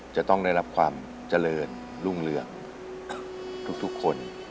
จะต้องได้รับความเจริญรุ่งเรืองทุกคน